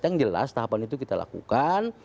yang jelas tahapan itu kita lakukan